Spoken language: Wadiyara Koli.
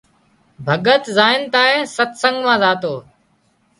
ڀڳت زانئين تانئين ستسنگ مان زاتو